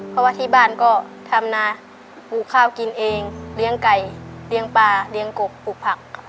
เพราะว่าที่บ้านก็ทำนาปลูกข้าวกินเองเลี้ยงไก่เลี้ยงปลาเลี้ยงกบปลูกผัก